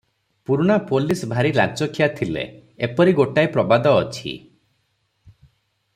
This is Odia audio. ପୁରୁଣା ପୋଲିସ ଭାରି ଲାଞ୍ଚଖିଆ ଥିଲେ, ଏପରି ଗୋଟାଏ ପ୍ରବାଦ ଅଛି ।